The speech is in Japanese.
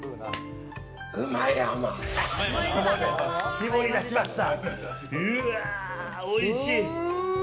絞り出しました。